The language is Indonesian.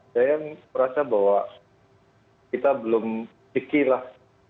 saya merasa bahwa kita belum dikilah